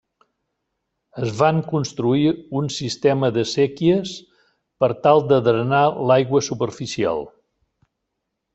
Es van construir un sistema de séquies per tal de drenar l'aigua superficial.